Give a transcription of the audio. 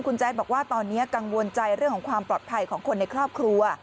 คุณแจ๊ดบอกว่าตอนนี้กังวลใจเรื่องของความปลอดภัยของคนในครอบครัว